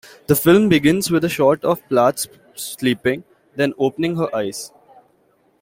The film begins with a shot of Plath sleeping, then opening her eyes.